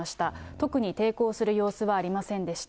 特に抵抗する様子はありませんでした。